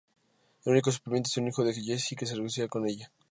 El único superviviente es un hijo de Jessie, que se reconcilia con ella.